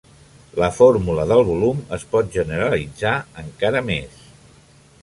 La fórmula del volum es pot generalitzar encara més.